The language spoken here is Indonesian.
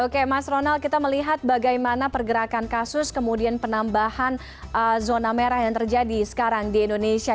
oke mas ronald kita melihat bagaimana pergerakan kasus kemudian penambahan zona merah yang terjadi sekarang di indonesia